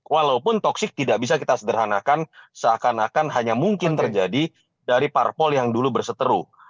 walaupun toxic tidak bisa kita sederhanakan seakan akan hanya mungkin terjadi dari parpol yang dulu berseteru